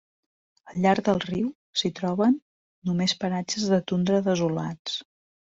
Al llarg del riu s'hi troben només paratges de tundra desolats.